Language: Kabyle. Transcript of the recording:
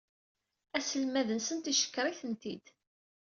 Aselmad-nsent yeckeṛ-itent-id.